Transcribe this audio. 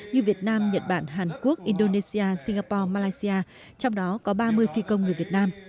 như việt nam nhật bản hàn quốc indonesia singapore malaysia trong đó có ba mươi phi công người việt nam